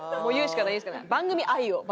番組愛を。